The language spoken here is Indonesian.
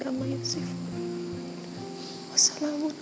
ya allah tolong memberikan saya kebuatan